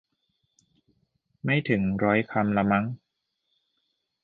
ไม่ถึงร้อยคำละมั้ง